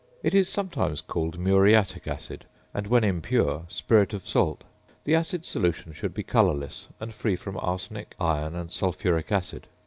It is sometimes called "muriatic acid," and when impure, "spirit of salt." The acid solution should be colourless and free from arsenic, iron, and sulphuric acid.